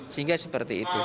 sehingga seperti itu